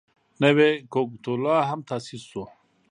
نوی کګوتلا هم تاسیس شو.